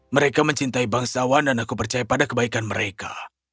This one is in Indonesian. mereka mencintai bangsawan dan aku percaya pada kebaikan mereka